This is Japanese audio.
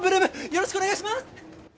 よろしくお願いします！